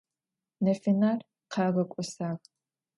Nefıner khağek'osağ.